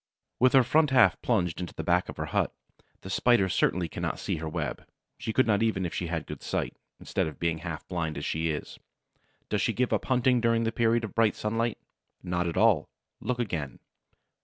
With her front half plunged into the back of her hut, the Spider certainly cannot see her web; she could not even if she had good sight, instead of being half blind as she is. Does she give up hunting during this period of bright sunlight? Not at all. Look again.